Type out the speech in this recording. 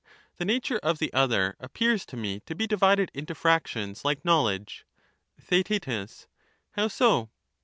The nature of the other appears to me to be divided into fractions like knowledge. Theaet. How so?